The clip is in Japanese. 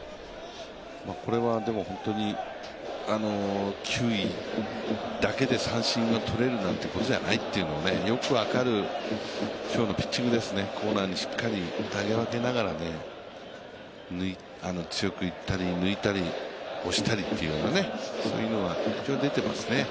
これは球威だけで三振が取れるなんてことじゃないというのがよく分かる今日のピッチングですね、コーナーにしっかり投げ分けながら強くいったり抜いたり押したりというのがねそういう特徴が出ていますね。